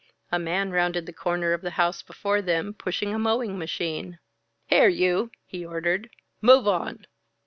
A man rounded the corner of the house before them, pushing a mowing machine. "Here, you!" he ordered. "Move on."